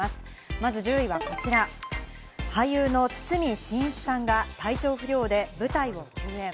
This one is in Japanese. まず１０位はこちら、俳優の堤真一さんが体調不良で舞台を休演。